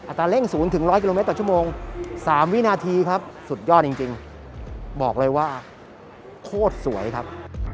ตาเร่ง๐๑๐๐กิโลเมตรต่อชั่วโมง๓วินาทีครับสุดยอดจริงบอกเลยว่าโคตรสวยครับ